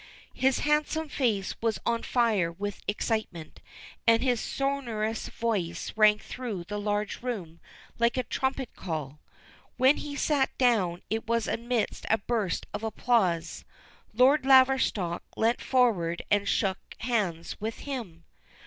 His handsome face was on fire with excitement, and his sonorous voice rang through the large room like a trumpet call. When he sat down it was amidst a burst of applause. Lord Laverstock leant forward and shook hands with him.